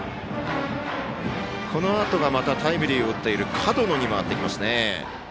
このあとがタイムリーを打っている門野に回ってきますね。